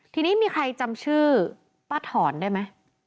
ทีนี้มีใครจำชื่อป้าถอนได้ไหม